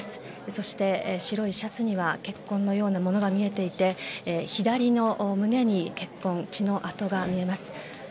そして、白いシャツには血痕のようなものが見えていて左の胸に血痕、血の痕が見えます。